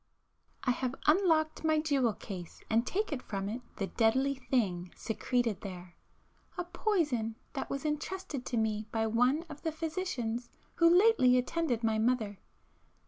····· I have unlocked my jewel case and taken from it the deadly thing secreted there,—a poison that was entrusted to me by one of the physicians who lately attended my mother.